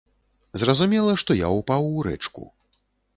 Зразумела, што я ўпаў у рэчку.